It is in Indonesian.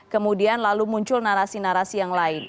kemudian lalu muncul narasi narasi yang lain